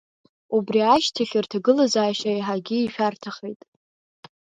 Убри ашьҭахь рҭагылазаашьа еиҳагьы ишәарҭахеит.